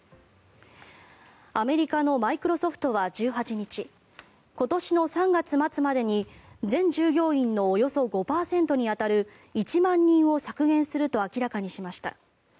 アメリカのマイクロソフトは１８日今年の３月末までに全従業員のおよそ５％に当たる１万人を削減すると明らかにしました。